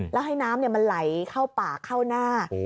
แล้วให้น้ำมันไหลเข้าปากเข้าหน้า